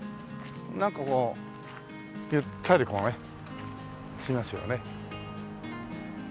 なんかこうゆったりこうねしますよね。